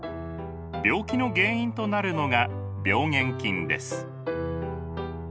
病気の原因となるのが病原菌です。